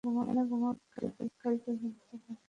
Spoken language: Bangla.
বাড়িটা বিশাল বড়!